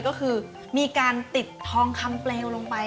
ก็คือมีการติดทองคำเปลวลงไป